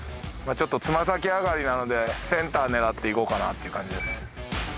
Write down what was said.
ちょっとつま先上がりなのでセンター狙っていこうかなっていう感じです。